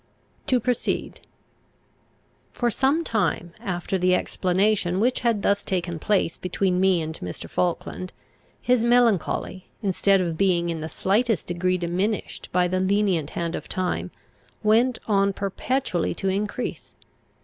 To proceed. For some time after the explanation which had thus taken place between me and Mr. Falkland, his melancholy, instead of being in the slightest degree diminished by the lenient hand of time, went on perpetually to increase.